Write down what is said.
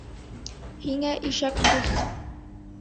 Һиңә ишәк дуҫ!